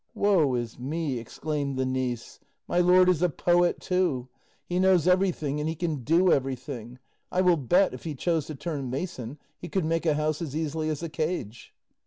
"Woe is me!" exclaimed the niece, "my lord is a poet, too! He knows everything, and he can do everything; I will bet, if he chose to turn mason, he could make a house as easily as a cage."